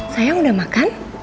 sayang udah makan